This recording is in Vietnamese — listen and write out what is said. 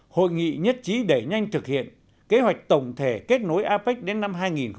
hội nghị nhất trí đẩy nhanh thực hiện kế hoạch tổng thể kết nối apec đến năm hai nghìn hai mươi